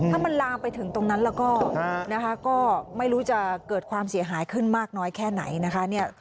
ถ้ามันลามไปถึงตรงนั้นแล้วก็นะคะก็ไม่รู้จะเกิดความเสียหายขึ้นมากน้อยแค่ไหนนะคะ